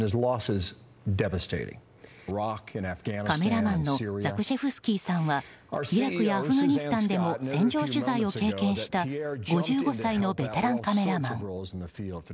カメラマンのザクシェフスキーさんはイラクやアフガニスタンでも戦場取材を経験した５５歳のベテランカメラマン。